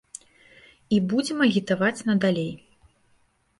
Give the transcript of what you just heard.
І будзем агітаваць надалей.